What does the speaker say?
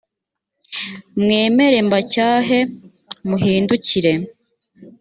mwemere mbacyahe muhindukire